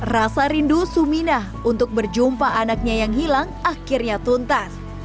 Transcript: rasa rindu suminah untuk berjumpa anaknya yang hilang akhirnya tuntas